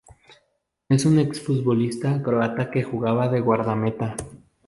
Es un ex-futbolista croata que jugaba de Guardameta.